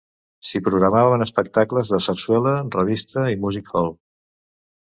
S'hi programaven espectacles de sarsuela, revista i music-hall.